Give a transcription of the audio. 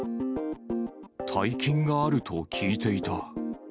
大金があると聞いていた。